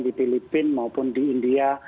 di filipina maupun di india